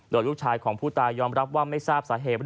โดยลูกชายของผู้ตายยอมรับว่าไม่ทราบสาเหตุ